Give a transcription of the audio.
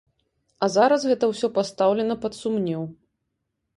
А зараз гэта ўсё пастаўлена пад сумнеў.